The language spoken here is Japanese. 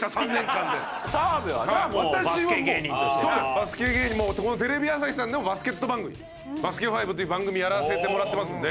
バスケ芸人テレビ朝日さんでもバスケット番組『バスケ☆ＦＩＶＥ』という番組やらせてもらってますんで。